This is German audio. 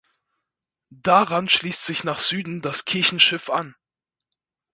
Daran schließt sich nach Süden das Kirchenschiff an.